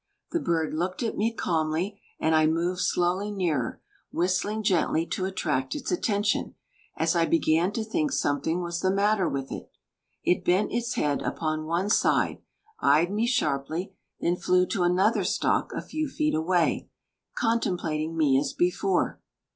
The bird looked at me calmly and I moved slowly nearer, whistling gently to attract its attention, as I began to think something was the matter with it. It bent its head upon one side, eyed me sharply, then flew to another stalk a few feet away, contemplating me as before.